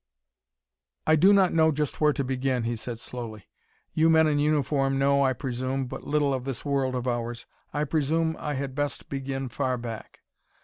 "I do not know just where to begin," he said slowly. "You men in uniform know, I presume, but little of this world of ours. I presume I had best begin far back.